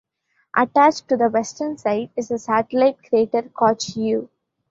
Attached to the western side is the satellite crater Koch U.